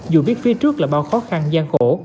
dù biết phía trước là bao khó khăn gian khổ